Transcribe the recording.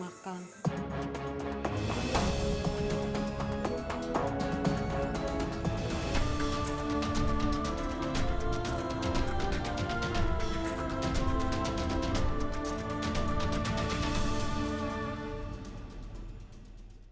saya makan saya minum air saja